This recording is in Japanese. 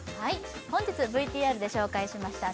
本日ＶＴＲで紹介しました